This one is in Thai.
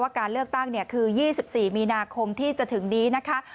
การเลือกตั้งคือ๒๔มีนาคมที่จะถึงนี้นะคะ